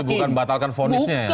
jadi bukan batalkan fonisnya ya